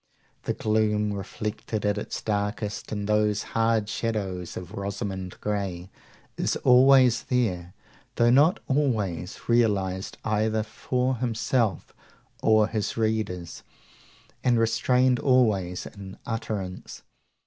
The gloom, reflected at its darkest in those hard shadows of Rosamund Grey, is always there, though not always realised either for himself or his readers, and restrained always in utterance.